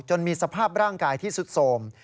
มีสภาพร่างกายที่สุดโสม